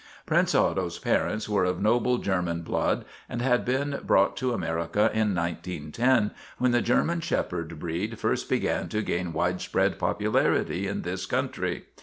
Prince Otto's parents were of noble German blood and had been brought to America in 1910, when the German shepherd breed first began to gain wide spread popularity in this country.